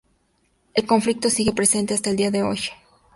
El conflicto sigue presente hasta el día de hoy.